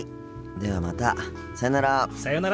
ではまたさよなら。